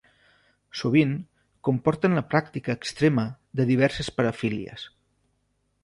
Sovint comporten la pràctica extremada de diverses parafílies.